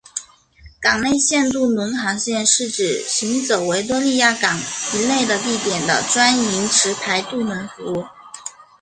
港内线渡轮航线是指行走维多利亚港以内地点的专营持牌渡轮服务。